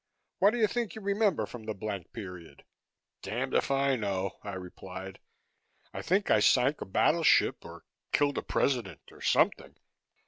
What do you think you remember from the blank period?" "Damned if I know," I replied. "I think I sank a battleship or killed a President, or something."